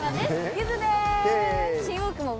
ゆずです。